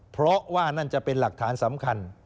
เพราะว่านั่นจะเป็นหลักฐานสำคัญ